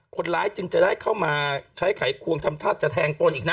คนร้ายจึงจะได้เข้ามาใช้ไขควงทำท่าจะแทงตนอีกนะ